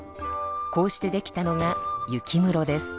こうしてできたのが雪むろです。